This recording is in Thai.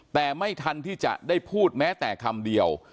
แต่ไม่ทันที่จะได้พูดแม้แต่คำเดียว